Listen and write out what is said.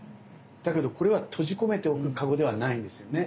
だけどこれは閉じ込めておくかごではないんですよね。